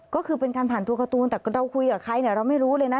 ก็คือเป็นการผ่านตัวการ์ตูนแต่เราคุยกับใครเนี่ยเราไม่รู้เลยนะ